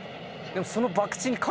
でもその。